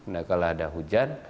nah kalau ada hujan